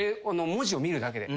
文字を見るだけで。